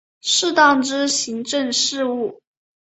适当之行政事务